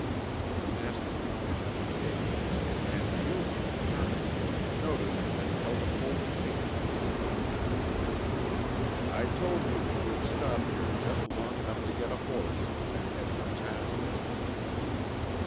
The masked man entered the cave, and Yuma, turning, noticed that he held a folded paper in his hand. "I told you that you'd stop here just long enough to get a horse, then head for town."